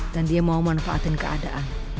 dan dia mau manfaatin keadaan